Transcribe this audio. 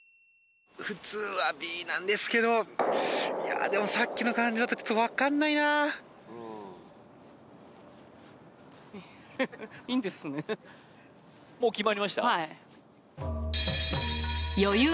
普通はＢなんですけどいやでもさっきの感じだとちょっと分かんないなもう決まりました？